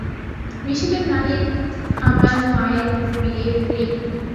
মিশেলের নানির, আমার মার বিয়ের রিং।